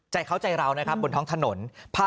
ใจเขาใจเรานะครับบนท้องถนน